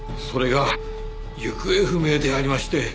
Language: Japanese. それが行方不明でありまして。